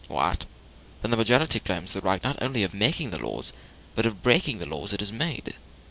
"What! then the majority claims the right not only of making the laws, but of breaking the laws it has made?"